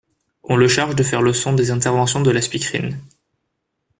On le charge de faire le son des interventions de la speakerine.